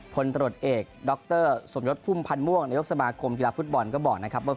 ผลตรวจเอกดรสมยศพุ่มพันธ์ม่วงนายกสมาคมกีฬาฟุตบอลก็บอกนะครับว่า